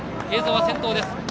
映像は先頭です。